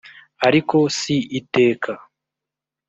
ariko si iteka